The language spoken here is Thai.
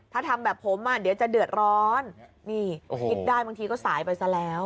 ถ้าทำแบบผมอ่ะเดี๋ยวจะเดือดร้อนนี่คิดได้บางทีก็สายไปซะแล้ว